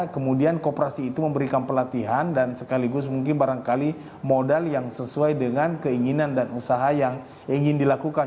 kemudian kooperasi itu memberikan pelatihan dan sekaligus mungkin barangkali modal yang sesuai dengan keinginan dan usaha yang ingin dilakukan